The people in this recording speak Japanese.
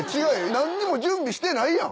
何にも準備してないやん。